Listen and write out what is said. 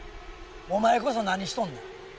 お前こそ何しとんねん？